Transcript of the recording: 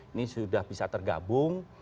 ini sudah bisa tergabung